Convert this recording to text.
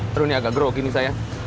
taduh ini agak grogi nih saya